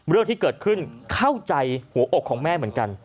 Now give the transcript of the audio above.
เรื่องที่เกิดขึ้นเข้าใจหัวอกของแม่เหมือนกัน